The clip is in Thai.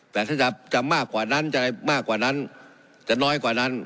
แต่ถ้าจะมากกว่านั้นจะอะไรมากกว่านั้นจะน้อยกว่านั้น